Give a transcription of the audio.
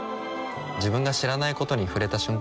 自分が知らないことに触れた瞬間